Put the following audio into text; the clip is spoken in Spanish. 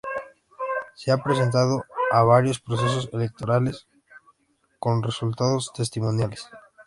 Se ha presentado a varios procesos electorales, con resultados testimoniales.